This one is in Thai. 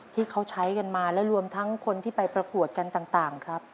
ที่เขาใช้กันมาและรวมทั้งคนที่ไปประกวดกันต่างครับ